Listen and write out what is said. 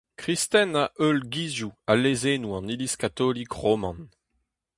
Kristen a heuilh gizioù ha lezennoù an Iliz katolik roman.